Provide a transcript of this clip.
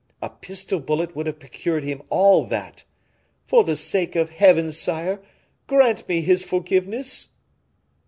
A pistol bullet would have procured him all that. For the sake of Heaven, sire, grant me his forgiveness."